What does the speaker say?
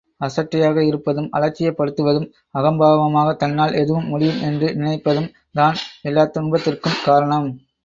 அசட்டையாக இருப்பதும், அலட்சியப் படுத்துவதும், அகம்பாவமாக தன்னால் எதுவும் முடியும் என்று நினைப்பதும் தான் எல்லாத் துன்பத்திற்கும் காரணம்.